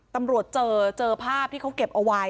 ตำรวจเจอที่เค้าเก็บเอาไว้